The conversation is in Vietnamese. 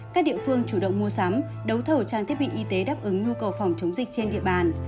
các địa phương chủ động mua sắm đấu thầu trang thiết bị y tế đáp ứng nhu cầu phòng chống dịch trên địa bàn